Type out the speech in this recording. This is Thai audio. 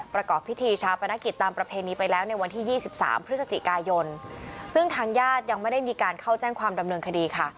ประกอบพิธีชาปนกิจตามประเพณีไปแล้วในวันที่๒๓พฤศจิกายนซึ่งทางญาติยังไม่ได้มีการเข้าแจ้งความดำเนินคดีค่ะ